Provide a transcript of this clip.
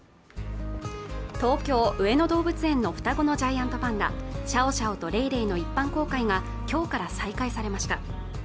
東京・上野動物園の双子のジャイアントパンダシャオシャオとレイレイの一般公開がきょうから再開されました